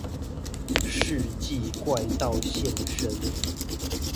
世紀怪盜現身